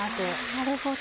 なるほど。